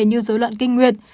như dối loạn kinh nguyệt